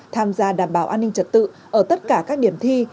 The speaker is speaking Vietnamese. tham gia đảm bảo an ninh trật tự ở tất cả các điểm thi